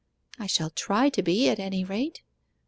'I shall try to be, at any rate.